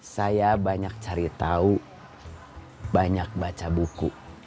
saya banyak cari tahu banyak baca buku